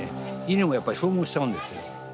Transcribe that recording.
稲もやっぱり消耗しちゃうんですよ。